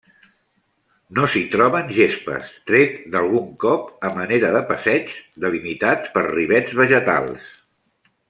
No s'hi troben gespes, tret d'algun cop a manera de passeigs, delimitats per rivets vegetals.